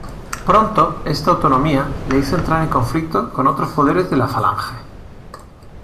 Pronto esta autonomía le hizo entrar en conflicto con otros poderes de la Falange.